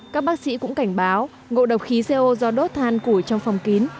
các bác sĩ cũng cảnh báo ngộ độc khí co do đốt than củi trong phòng kín